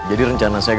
aku harus selamat sayang